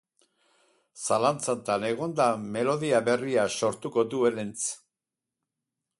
Zalantzatan egon da melodia berria sortuko duenentz.